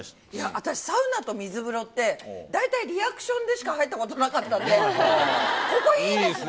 私、サウナと水風呂って、大体リアクションでしか入ったことなかったんで、ここ、いいですね。